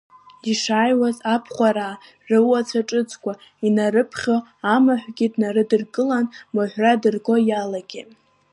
Ишааиуаз абхәараа рыуацәа ҿыцқәа ианрыԥхьо, амаҳәгьы днарыдкыланы маҳәра дырго иалагеит.